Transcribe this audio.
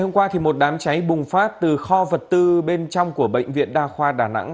hôm qua một đám cháy bùng phát từ kho vật tư bên trong của bệnh viện đa khoa đà nẵng